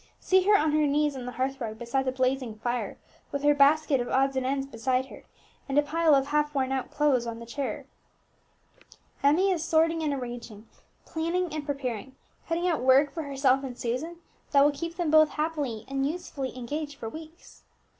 See her on her knees on the hearth rug beside the blazing fire, with her basket of odds and ends beside her, and a pile of half worn out clothes placed on a chair. Emmie is sorting and arranging, planning and preparing, cutting out work for herself and Susan that will keep them both happily and usefully engaged for weeks.